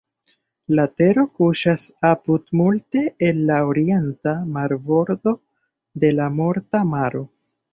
La tero kuŝas apud multe el la orienta marbordo de la Morta Maro.